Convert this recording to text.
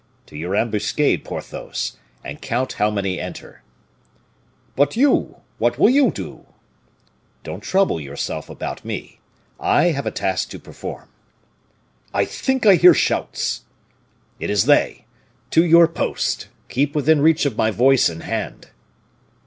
"To your ambuscade, Porthos, and count how many enter." "But you, what will you do?" "Don't trouble yourself about me; I have a task to perform." "I think I hear shouts." "It is they! To your post. Keep within reach of my voice and hand."